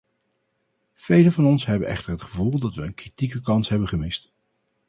Velen van ons hebben echter het gevoel dat we een kritieke kans hebben gemist.